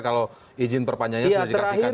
kalau izin perpanjangan sudah dikasihkan terlebih dahulu